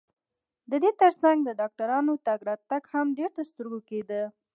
د دې ترڅنګ د ډاکټرانو تګ راتګ هم ډېر ترسترګو کېده.